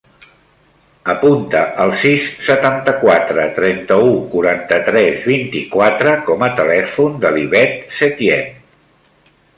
Apunta el sis, setanta-quatre, trenta-u, quaranta-tres, vint-i-quatre com a telèfon de l'Ivette Setien.